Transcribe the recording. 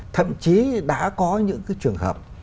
thậm chí đã có những cái trường hợp